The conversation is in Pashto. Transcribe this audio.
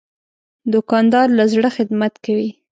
دوکاندار له زړه خدمت کوي.